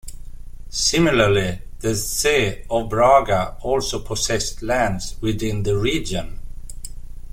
Similarly, the Sé of Braga also possessed lands within the region.